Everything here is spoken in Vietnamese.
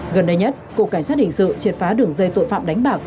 gần đây nhất cục cảnh sát hình sự triệt phá đường dây tội phạm đánh bạc